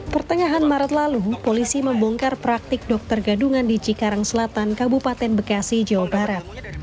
pertengahan maret lalu polisi membongkar praktik dokter gadungan di cikarang selatan kabupaten bekasi jawa barat